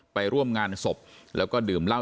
ไปร่วมงานศพแล้วก็ดื่มเหล้า